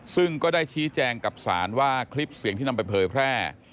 ซึ่งก็ได้ชี้แจงกับศาลว่าคลิปเสียงที่นำไปเผยแพร่